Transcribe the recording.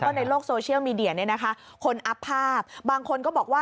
ในโลกโซเชียลมีเดียเนี่ยนะคะคนอัพภาพบางคนก็บอกว่า